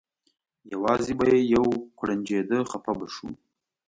یوازې به یې یو کوړنجېده خپه به شو.